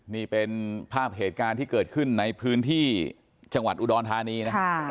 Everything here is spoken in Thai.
นี่เป็นภาพเหตุการณ์ที่เกิดขึ้นในพื้นที่จังหวัดอุดรธานีนะครับ